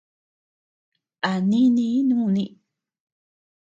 A nínii núni.